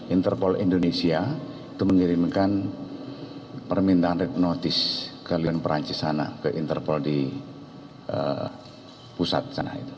interpol indonesia itu mengirimkan permintaan red notice ke lion perancis sana ke interpol di pusat sana